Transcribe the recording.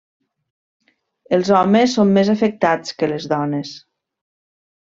Els homes són més afectats que les dones.